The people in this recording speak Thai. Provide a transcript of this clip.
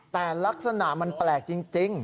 แต่ลักษณะมันแปลกจริง